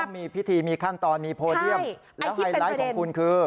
มีพิธีมีขั้นตอนมีโพเดียมแล้วไฮไลท์ของคุณคือ